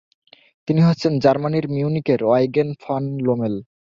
তিনি হচ্ছেন জার্মানির মিউনিখের অয়গেন ফন লোমেল।